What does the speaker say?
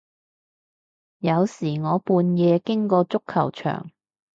有時我半夜經過足球場